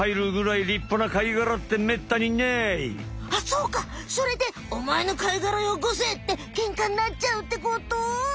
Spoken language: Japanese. そうかそれで「おまえの貝がらよこせ」ってケンカになっちゃうってこと？